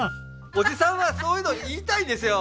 おじさんはそういうの言いたいんですよ。